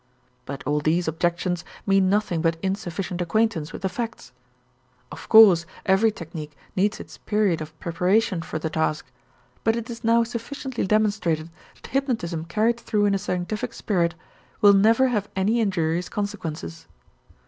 But all these objections mean nothing but insufficient acquaintance with the facts. Of course every technique needs its period of preparation for the task, but it is now sufficiently demonstrated that hypnotism carried through in a scientific spirit will never have any injurious consequences.